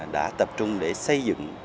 đã tập trung để xây dựng